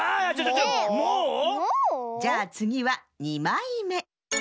もう⁉じゃあつぎは２まいめ！